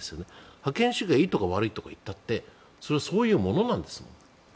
覇権主義がいいとか悪いとか言ったってそれはそういうものなんですもん。